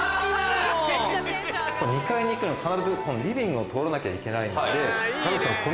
２階に行くのに必ずリビングを通らなきゃいけないので。